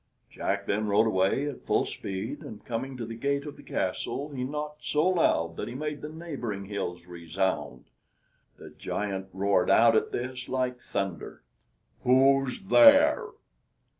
Jack then rode away at full speed, and coming to the gate of the castle, he knocked so loud that he made the neighboring hills resound. The giant roared out at this like thunder, "Who's there?"